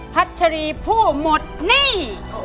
พระชะลีผู้หมดหนี้